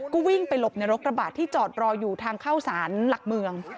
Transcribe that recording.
ก็วิ่งไปหลบในรถกระบาดที่จอดรออยู่ทางเข้าสารหลักเมือง